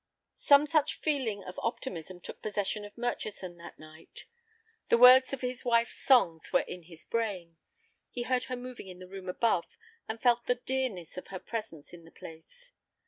Some such feeling of optimism took possession of Murchison that night. The words of his wife's songs were in his brain; he heard her moving in the room above, and felt the dearness of her presence in the place.